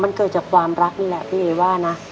มันเกิดจากความรักนี่แหละพี่เอ๋ว่านะ